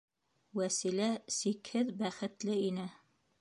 Вәсилә сикһеҙ бәхетле ине.